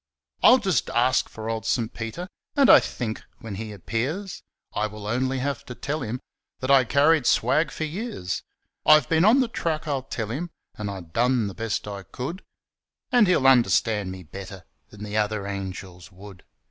I'll just ask for old St. Peter, And I think, when he appears, I will only have to tell him That I carried swag for years. 'I've been on the track,' I'll tell him, 'An' I done the best I could,' And he'll understand me better Than the other angels would.